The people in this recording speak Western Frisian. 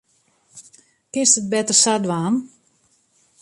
Kinst it better sa dwaan.